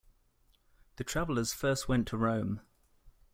The travellers first went to Rome.